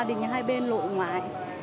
gia đình hai bên lộ ngoài